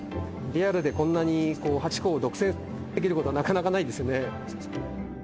リアルでこんなにハチ公を独占できることはなかなかないですよね。